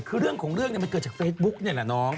คือเรื่องของเรื่องมันเกิดจากเฟซบุ๊กนี่แหละน้อง